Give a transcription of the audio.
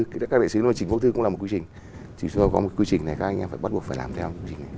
chúng tôi có một quy trình chúng tôi có một quy trình này các anh em phải bắt buộc phải làm theo